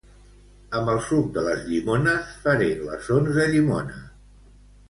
Amb el suc de les llimones faré glaçons de llimona